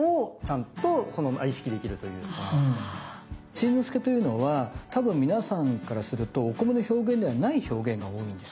新之助というのは多分皆さんからするとお米の表現ではない表現が多いんです。